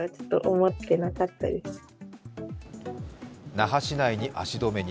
那覇市内に足止めに。